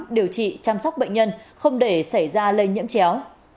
điều trị chăm sóc bệnh nhân không để xảy ra lây nhiễm chéo